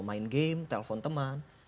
main game telepon teman